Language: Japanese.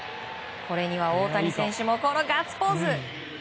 これには、大谷選手もガッツポーズ！